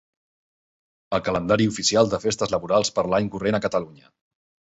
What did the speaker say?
El calendari oficial de festes laborals per a l'any corrent a Catalunya.